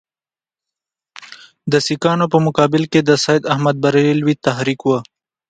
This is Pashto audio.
د سیکهانو په مقابل کې د سید احمدبرېلوي تحریک وو.